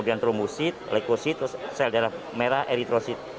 antrumusid leucosid sel darah merah eritrosid